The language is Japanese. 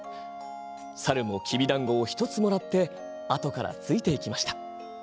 猿もきびだんごを１つもらってあとからついて行きました。